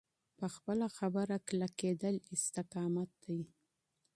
په خپله خبره کلکېدل استقامت دی.